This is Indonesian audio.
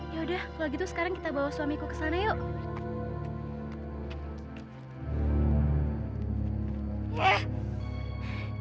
ya udah kalau gitu sekarang kita bawa suamiku ke sana yuk